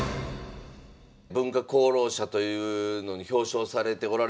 文化功労者というのに表彰されておられました。